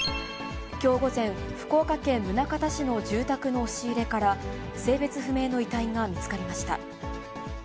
きょう午前、福岡県宗像市の住宅の押し入れから、性別不明の遺体が見つかりました。